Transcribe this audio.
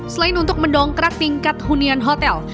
selain untuk mendongkrak tingkat hunian hotel